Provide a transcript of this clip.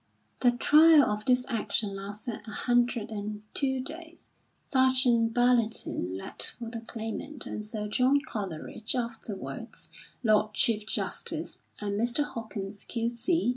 The trial of this action lasted 102 days. Sergeant Ballantine led for the Claimant; and Sir John Coleridge (afterwards Lord Chief justice), and Mr. Hawkins, Q. C.